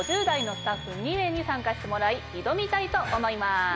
５０代のスタッフ２名に参加してもらい挑みたいと思います。